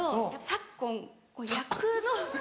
「昨今」。